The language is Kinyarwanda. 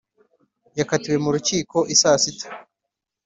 Yakatiwe mu rukiko isa sita